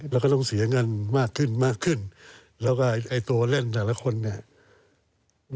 แล้วก็ต้องเสียเงินมากขึ้นมากขึ้นแล้วก็ไอ้ตัวเล่นแต่ละคนเนี่ย